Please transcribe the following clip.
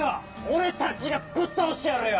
俺たちがぶっ倒してやるよ！